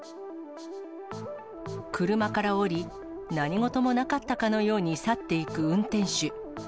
車から降り、何事もなかったかのように去っていく運転手。